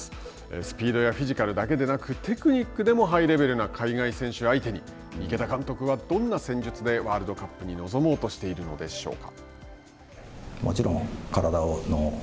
スピードやフィジカルだけでなく、テクニックでもハイレベルな海外選手を相手に、池田監督はどんな戦術でワールドカップに臨もうとしているのでしょうか。